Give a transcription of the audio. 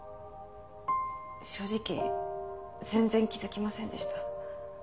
正直全然気づきませんでした。